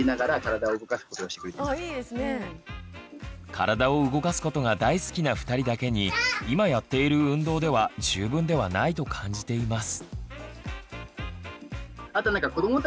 体を動かすことが大好きな２人だけに今やっている運動では十分ではないと感じています。